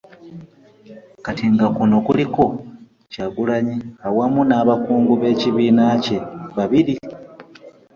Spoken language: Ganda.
Kati nga kuno kuliko Kyagulanyi awamu n'abakungu b'ekibiina kye babiri.